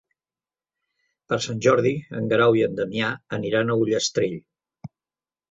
Per Sant Jordi en Guerau i en Damià aniran a Ullastrell.